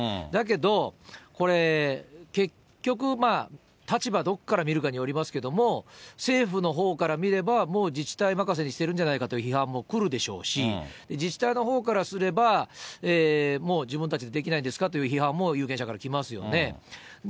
だけど、これ、結局、立場、どこから見るかによりますけれども、政府のほうから見れば、もう自治体任せにしてるんじゃないかという批判も来るでしょうし、自治体のほうからすれば、もう自分たちでできないんですかという批判も有権者から来ますよね。